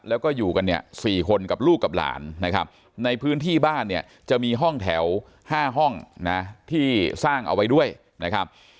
แล้วก็อยู่กันเนี่ย๔คนกับลูกกับหลานนะครับในพื้นที่บ้านเนี่ยจะมีห้องแถว๕ห้องนะที่สร้างเอาไว้ด้วยนะครับ